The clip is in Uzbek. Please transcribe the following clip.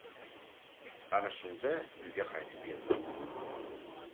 Ana shunda uyga qaytib keldim.